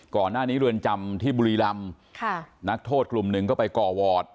เรือนจำที่บุรีรำค่ะนักโทษกลุ่มหนึ่งก็ไปก่อวอร์ด